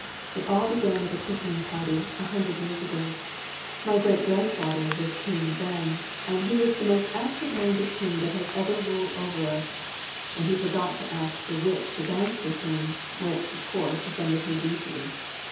It all began with a christening party, a hundred years ago. My great grandfather was King then, and he was the most absent minded king that has ever ruled over us, and he forgot to ask the Witch to dance with him, which, of course, offended her deeply.